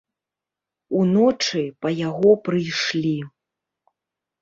Уночы па яго прыйшлі.